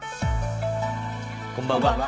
こんばんは。